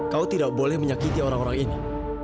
kau tidak boleh menyakiti orang orang ini